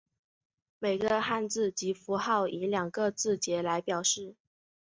每个汉字及符号以两个字节来表示。